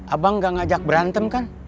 abang gak ngajak berantem kan